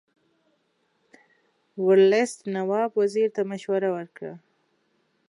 ورلسټ نواب وزیر ته مشوره ورکړه.